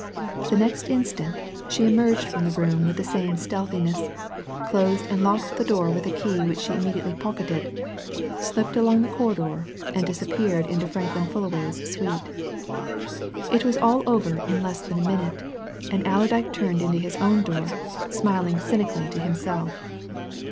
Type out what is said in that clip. The next instant, she emerged from the room with the same stealthiness, closed and locked the door with a key which she immediately pocketed, slipped along the corridor, and disappeared into Franklin Fullaway's suite. It was all over in less than a minute, and Allerdyke turned into his own door, smiling cynically to himself.